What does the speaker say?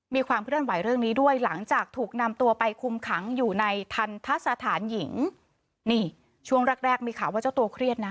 มีความเคลื่อนไหวเรื่องนี้ด้วยหลังจากถูกนำตัวไปคุมขังอยู่ในทันทะสถานหญิงนี่ช่วงแรกแรกมีข่าวว่าเจ้าตัวเครียดนะ